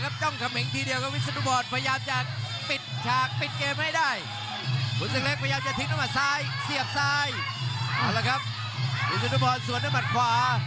แผ่งด้วยสายเติมด้วยขวา